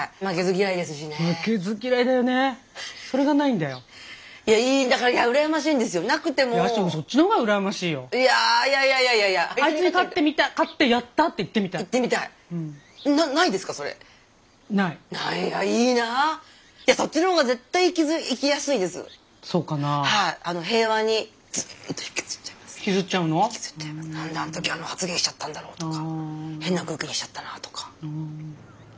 何であの時あの発言しちゃったんだろうとか変な空気にしちゃったなとか。